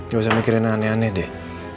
gak usah mikirin yang aneh aneh deh